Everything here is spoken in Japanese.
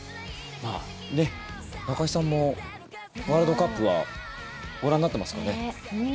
中居さんもワールドカップはご覧になってますかね。